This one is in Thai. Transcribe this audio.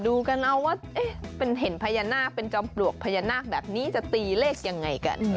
ดูกันเอาว่าเป็นเห็นพญานาคเป็นจอมปลวกพญานาคแบบนี้จะตีเลขยังไงกัน